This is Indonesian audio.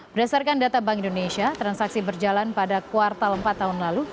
berdasarkan data bank indonesia transaksi berjalan pada kuartal empat tahun lalu